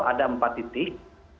ada empat titik